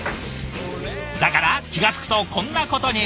だから気が付くとこんなことに。